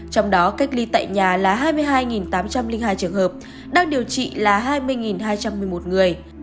trong đó cách ly tại nhà là hai mươi hai tám trăm linh hai trường hợp đang điều trị là hai mươi hai trăm một mươi một người